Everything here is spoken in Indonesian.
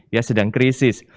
ya sedang krisis